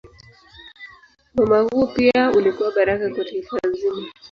Wema huo pia ulikuwa baraka kwa taifa zima.